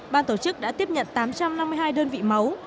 ban tổ chức đã tiếp nhận tám trăm năm mươi hai đơn vị máu